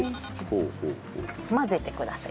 混ぜてください。